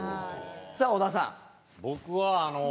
さぁ小田さん。